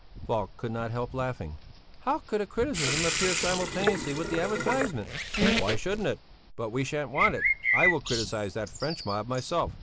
Falk could not help laughing. "How could a criticism appear simultaneously with the advertisement?" "Why shouldn't it? But we shan't want it; I will criticize that French mob myself.